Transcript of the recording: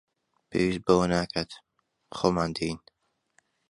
پێویست بەوە ناکات، خۆمان دێین